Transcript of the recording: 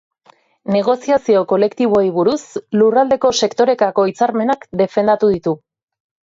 Negoziazio kolektiboei buruz, lurraldeko sektorekako hitzarmenak defendatu ditu.